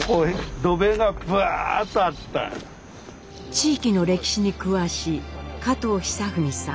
地域の歴史に詳しい加藤久芳さん